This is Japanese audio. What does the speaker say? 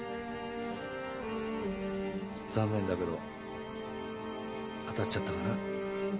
残念だけど当たっちゃったかな？